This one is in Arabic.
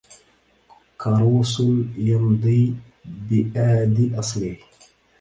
كروس يمضي بآد أصله